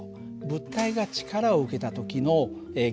物体が力を受けた時の現象